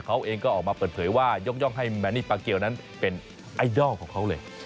เขาเองก็ออกมาเปิดเผยว่ายกย่องให้แมนนี่ปาเกียวนั้นเป็นไอดอลของเขาเลย